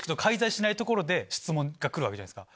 ところで質問が来るわけじゃないですか。